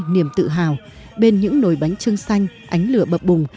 niềm tự hào bên những nồi bánh trưng xanh ánh lửa bập bùng